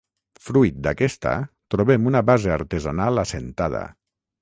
Fruit d'aquesta trobem una base artesanal assentada.